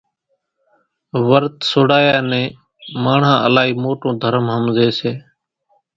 ورت سوڙايا نين ماڻۿان الائي موٽون درم ۿمزي سي۔